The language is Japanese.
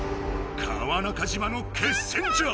川中島の決戦じゃ！